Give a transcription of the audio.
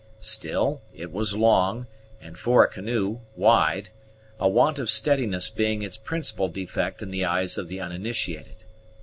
Still it was long, and, for a canoe, wide; a want of steadiness being its principal defect in the eyes of the uninitiated.